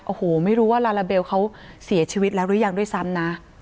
โอ้โหไม่รู้ว่าลาลาเบลเขาเสียชีวิตแล้วหรือยังด้วยซ้ำนะ